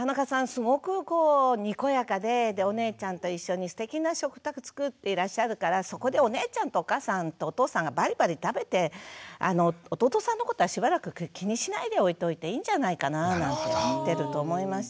すごくこうにこやかでお姉ちゃんと一緒にすてきな食卓作っていらっしゃるからそこでお姉ちゃんとお母さんとお父さんがバリバリ食べて弟さんのことはしばらく気にしないでおいといていいんじゃないかななんて見てると思いました。